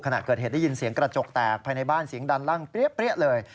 ขณะเกิดเหตุได้ยินเสียงกระจกแตกภายในบ้านเสียงดันลั่นเปรี้ยเลย